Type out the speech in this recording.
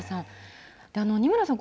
仁村さん